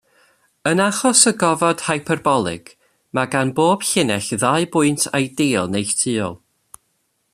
Yn achos y gofod hyperbolig, mae gan bob llinell ddau bwynt ideal neilltuol.